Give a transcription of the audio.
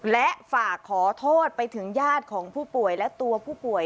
และฝากขอโทษไปถึงญาติของผู้ป่วยและตัวผู้ป่วย